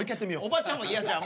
おばちゃんも嫌じゃ。